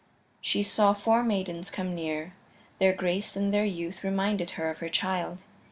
She saw four maidens come near; their grace and their youth reminded her of her child.